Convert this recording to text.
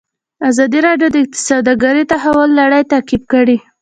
ازادي راډیو د سوداګري د تحول لړۍ تعقیب کړې.